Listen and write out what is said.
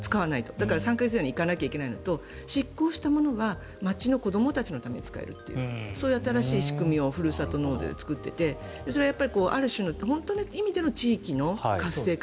だから３か月以内で行かないといけないのと失効したら町の子どもたちのために使えるというそういう仕組みをふるさと納税で作っていてそれはある種の本当の意味での地域の活性化。